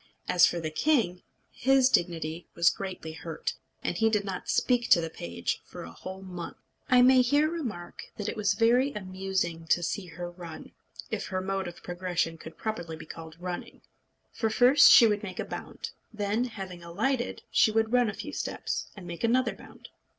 As for the king, his dignity was greatly hurt, and he did not speak to the page for a whole month. I may here remark that it was very amusing to see her run, if her mode of progression could properly be called running. For first she would make a bound; then, having alighted, she would run a few steps, and make another bound.